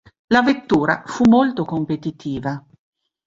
La vettura fu molto competitiva.